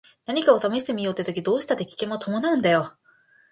何かを試してみようって時どうしたって危険は伴うんだよ。